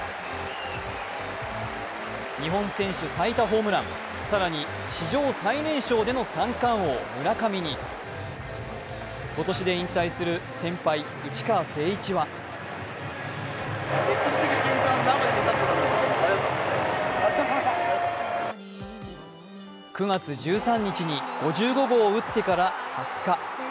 日本選手最多ホームラン更に史上最年少での三冠王村上に、今年で引退する先輩・内川聖一は９月１３日に５５号を打ってから２０日。